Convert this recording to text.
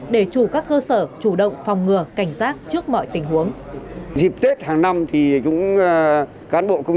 để chủ các cơ sở chủ động phòng ngừa cảnh giác trước mọi tình huống